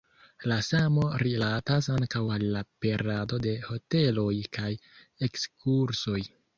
La samo rilatas ankaŭ al la perado de hoteloj kaj ekskursoj.